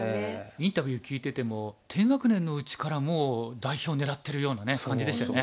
インタビュー聞いてても低学年のうちからもう代表狙ってるような感じでしたよね。